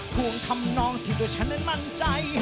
ทวงทำนองที่ตัวฉันนั้นมั่นใจ